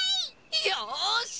よし！